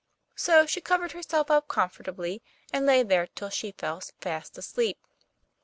So she covered herself up comfortably, and lay there till she fell fast asleep.